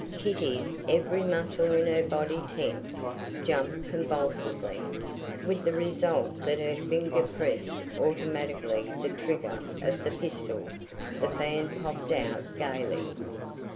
Kitty, every muscle in her body tense, jumped convulsively, with the result that her finger pressed automatically the trigger of her pistol. The fan popped out gayly.